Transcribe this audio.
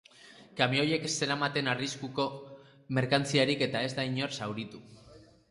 Kamioiek ez zeramaten arriskuzko merkantziarik eta ez da inor zauritu.